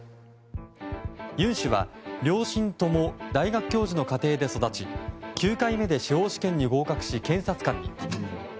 尹氏は、両親とも大学教授の家庭で育ち９回目で司法試験に合格し検察官に。